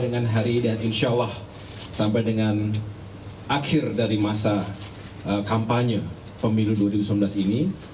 dengan hari dan insya allah sampai dengan akhir dari masa kampanye pemilu dua ribu sembilan belas ini